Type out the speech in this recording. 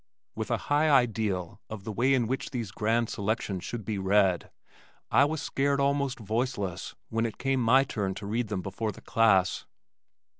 With a high ideal of the way in which these grand selections should be read, I was scared almost voiceless when it came my turn to read them before the class.